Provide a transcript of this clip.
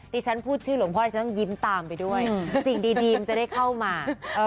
ที่ฉันพูดชื่อหลวงพ่อยิ้มตามไปด้วยสิ่งดีจะได้เข้ามา